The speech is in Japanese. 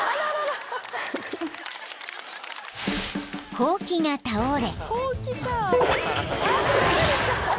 ［ほうきが倒れ］